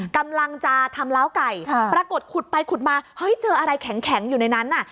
กำลังจะทำล้าวไก่ปรากฏขุดไปขุดมาเฮ้ยเจออะไรแข็งอยู่ในนั้นน่ะ